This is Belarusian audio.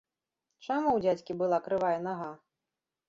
Чаму ў дзядзькі была крывая нага?